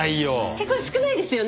えこれ少ないですよね？